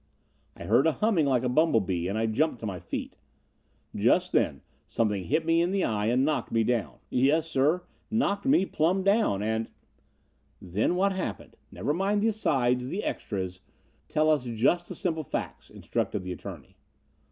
I heard a humming like a bumble bee and I jumped to my feet. Just then something hit me in the eye and knocked me down. Yes sir, knocked me plumb down, and " "Then what happened? Never mind the asides, the extras tell us just the simple facts," instructed the attorney.